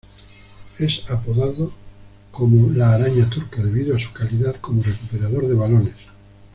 Es apodado como la "araña turca" debido a su calidad como recuperador de balones.